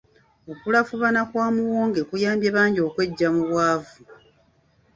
Okulafuubana kwa Muwonge kuyambye bangi okweggya mu bwavu.